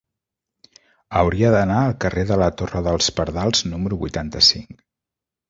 Hauria d'anar al carrer de la Torre dels Pardals número vuitanta-cinc.